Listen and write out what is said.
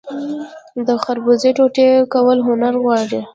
د خربوزې ټوټې کول هنر غواړي.